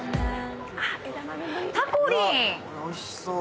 これおいしそう。